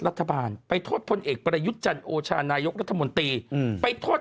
รัฐบาลไปโทษพลเอกประยุทธ์จันโอชานายกรัฐมนตรีไปโทษ